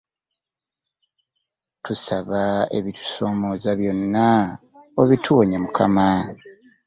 Tusaba ebitusoomooza byonna obituwonye Mukama.